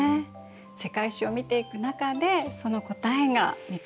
世界史を見ていく中でその答えが見つかるといいわよね。